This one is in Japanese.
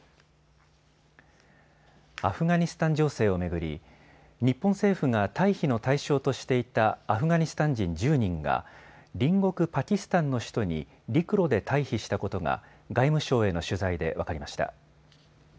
アフガニスタン情勢を巡り日本政府が退避の対象としていたアフガニスタン人１０人が隣国パキスタンの首都に陸路で退避したことが外務省への取材で分かりました。